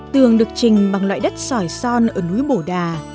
tường được trình bằng loại đất sỏi son ở núi bồ đà